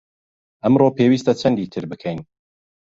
ئەمڕۆ پێویستە چەندی تر بکەین؟